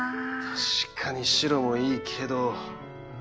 確かに白もいいけど。